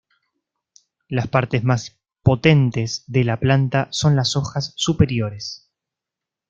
Las partes más potentes de la planta son las hojas superiores.